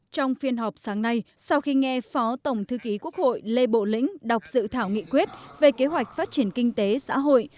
trong phiên họp sáng nay sau khi nghe phó tổng thư ký quốc hội lê bộ lĩnh đọc dự thảo nghị quyết về kế hoạch phát triển kinh tế xã hội